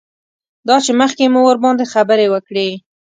دا چې مخکې مو ورباندې خبرې وکړې.